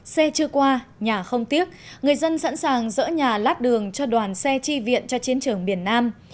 xe chưa qua nhà không tiếc người dân sẵn sàng dỡ nhà lát đường cho đoàn xe chi viện cho chiến trường miền nam